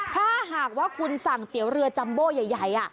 ถ้าหากว่าคุณสั่งเตี๋ยวเรือจัมโบ้ใหญ่